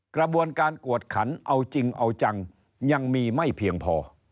กระบวนการกวดขันเอาจริงเอาจังยังมีไม่เพียงพอ